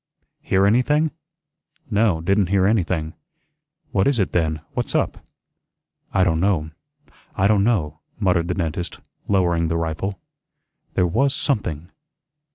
"Hear anything?" "No, didn't hear anything." "What is it then? What's up?" "I don' know, I don' know," muttered the dentist, lowering the rifle. "There was something."